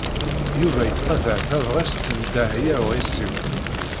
Yuba yettqadar tabɣest n Dehbiya u Ɛisiw.